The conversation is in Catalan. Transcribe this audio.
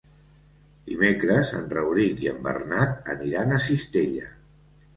Dimecres en Rauric i en Bernat aniran a Cistella.